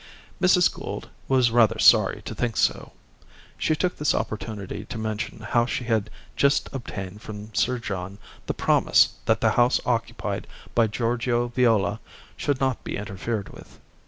Mrs. Gould was rather sorry to think so. She took this opportunity to mention how she had just obtained from Sir John the promise that the house occupied by Giorgio Viola should not be interfered with.